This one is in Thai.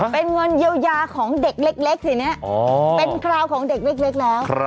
เป็นเงินเยียวยาของเด็กเล็กทีนี้เป็นคราวของเด็กเล็กแล้ว